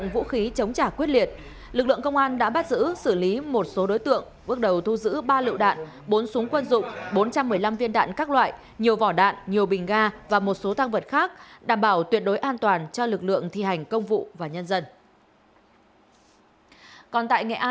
một mươi hai viên ma túy tổng hợp một khẩu súng một mươi năm viên đạn một vỏ đạn và một điện thoại di động